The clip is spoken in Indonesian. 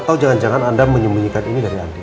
atau jangan jangan anda menyembunyikan ini dari andi